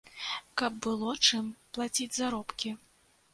Каб было чым плаціць заробкі.